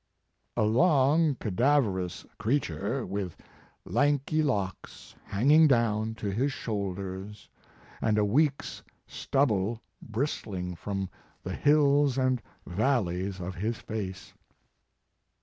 "A long cadaverous creature, with lanky locks hanging down to his shoulders, and a week s stubble bristling from the hills and valleys of his face."